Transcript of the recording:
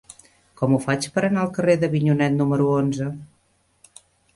Com ho faig per anar al carrer d'Avinyonet número onze?